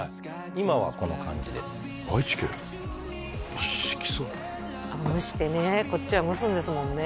今はこの感じで愛知県一色産蒸してねこっちは蒸すんですもんね